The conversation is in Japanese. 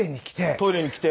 トイレに来て。